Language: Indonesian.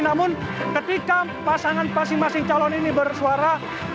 namun ketika pasangan pasangan calon ini bersuara